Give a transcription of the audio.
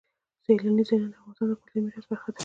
سیلانی ځایونه د افغانستان د کلتوري میراث برخه ده.